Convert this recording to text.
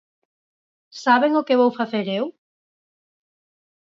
¿Saben o que vou facer eu?